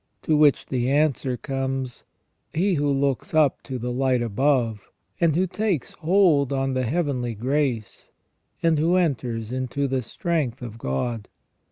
To which the answer comes : He who looks up to the light above, and who takes hold on the heavenly grace, and who enters into the strength of God.